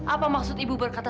apa maksud ibu berkata